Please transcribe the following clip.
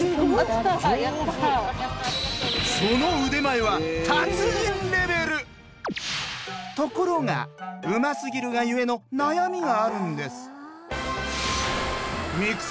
その腕前はところがうますぎるがゆえの悩みがあるんです。